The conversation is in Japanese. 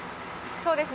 そうですね。